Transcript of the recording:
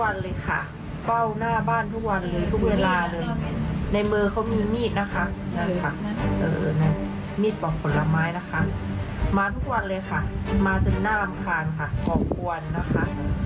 แจ้งสายตรวจไปหลายรอบแล้วค่ะ